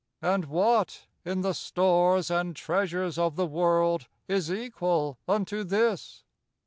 And what, in the stores and treasures of the world, Is equal unto this?